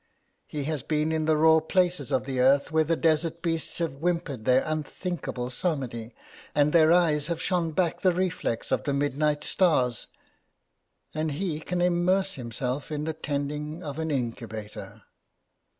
He has been in the raw places of the earth, where the desert beasts have whimpered their unthinkable psalmody, and their eyes JUDKIN OF THE PARCELS 45 have shone back the reflex of the midnight stars — and he can immerse himself in the tending of an incubator.